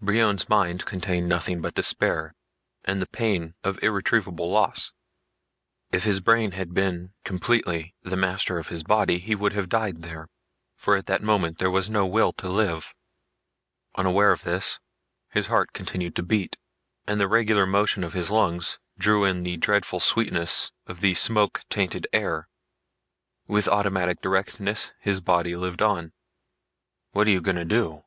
Brion's mind contained nothing but despair and the pain of irretrievable loss. If his brain had been completely the master of his body he would have died there, for at that moment there was no will to live. Unaware of this, his heart continued to beat and the regular motion of his lungs drew in the dreadful sweetness of the smoke tainted air. With automatic directness his body lived on. "What you gonna do?"